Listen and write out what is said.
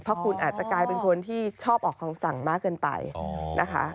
เพราะคุณอาจจะกลายเป็นคนที่ชอบออกคำสั่งมากเกินไปนะคะ